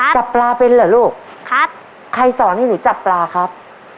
จับปลาเป็นเหรอลูกครับใครสอนให้หนูจับปลาครับ